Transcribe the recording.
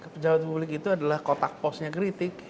pejabat publik itu adalah kotak posnya kritik